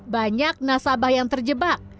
banyak nasabah yang terjebak